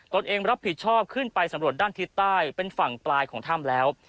ตัวเองรับผิดชอบขึ้นไปสำรวจด้านทิศใต้เป็นฝั่งปลายของถ้ำแล้ว